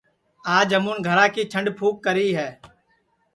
آج ہمون گھرا کی جھڈؔ پُھوک کری ہے